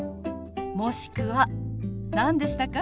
もしくは何でしたか？